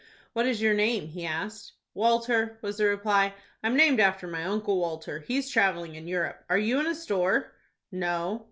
"What is your name?" he asked. "Walter," was the reply. "I'm named after my Uncle Walter. He's travelling in Europe. Are you in a store?" "No."